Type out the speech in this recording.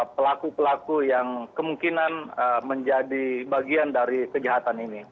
pelaku pelaku yang kemungkinan menjadi bagian dari kejahatan ini